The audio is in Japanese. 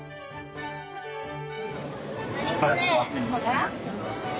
何これ！